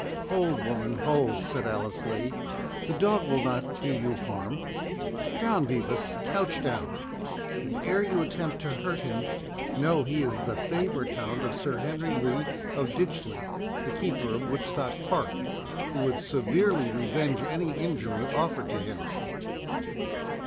"Hold, woman, hold!" said Alice Lee; "the dog will not do you harm.—Down, Bevis, couch down.—And ere you attempt to hurt him, know he is the favourite hound of Sir Henry Lee of Ditchley, the keeper of Woodstock Park, who would severely revenge any injury offered to him."